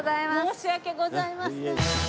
申し訳ございません。